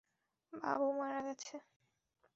বাবু মারা গেছে।